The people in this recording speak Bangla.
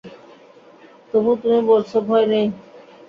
তবু তুমি বলছ ভয় নেই?